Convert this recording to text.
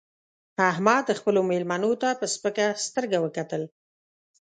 احمد خپلو مېلمنو ته په سپکه سترګه وکتل